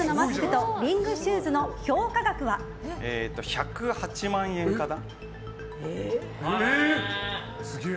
１０８万円かな。